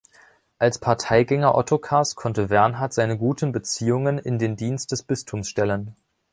Als Parteigänger Ottokars konnte Wernhard seine guten Beziehungen in den Dienst des Bistums stellen.